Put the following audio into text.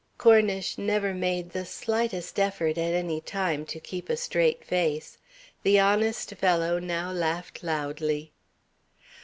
Cornish never made the slightest effort, at any time, to keep a straight face. The honest fellow now laughed loudly.